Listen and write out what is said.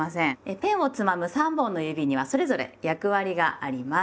ペンをつまむ３本の指にはそれぞれ役割があります。